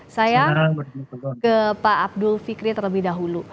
saya ke pak abdul fikri terlebih dahulu